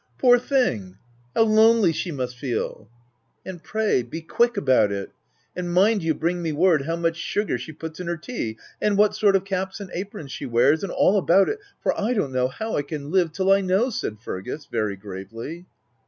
Poor thing ! how lonely she must feel !" "And pray, be quick about it ; and mind you bring me word how much sugar she puts in her tea, and what sort of caps and aprons she wears, and all about it ; for I don't know how I can live till I know," said Fergus, very gravely.